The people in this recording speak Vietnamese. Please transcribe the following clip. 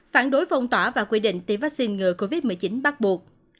phản đối phong tỏa và quy định tiêm vaccine ngừa covid một mươi chín bắt buộc